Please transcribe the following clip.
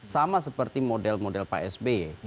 sama seperti model model pak sby